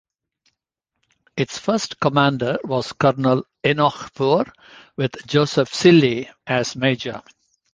Its first commander was Colonel Enoch Poor, with Joseph Cilley as major.